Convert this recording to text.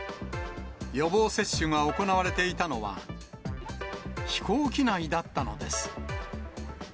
予防接種が行われていたのは、飛行機内だったのです。